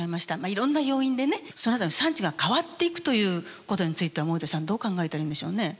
いろんな要因でね産地が変わっていくということについては盛田さんどう考えたらいいんでしょうね？